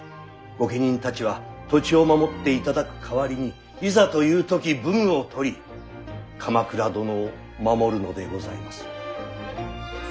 御家人たちは土地を守っていただく代わりにいざという時武具を取り鎌倉殿を守るのでございます。